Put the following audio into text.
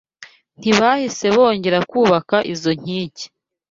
ntibahise bongera kubaka izo nkike